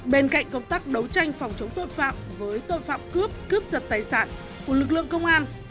bên cạnh công tác đấu tranh phòng chống tội phạm với tội phạm cướp cướp giật tài sản của lực lượng công an